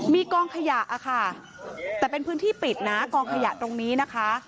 มีกองขยะค่ะแต่เป็นพื้นที่ปิดนะกองขยะตรงนี้นะคะ